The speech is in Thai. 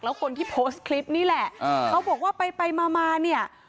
แล้วคนที่โพสต์คลิปนี่แหละเขาบอกว่าไปไปมามาเนี่ย